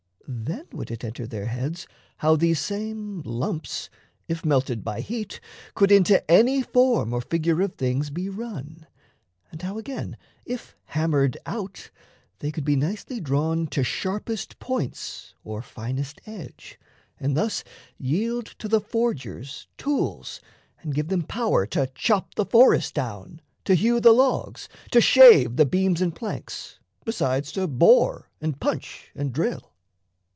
Then would it enter their heads how these same lumps, If melted by heat, could into any form Or figure of things be run, and how, again, If hammered out, they could be nicely drawn To sharpest points or finest edge, and thus Yield to the forgers tools and give them power To chop the forest down, to hew the logs, To shave the beams and planks, besides to bore And punch and drill.